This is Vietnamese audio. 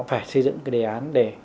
phải xây dựng đề án để